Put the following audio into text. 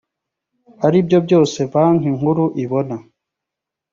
aribyo byose banki nkuru ibona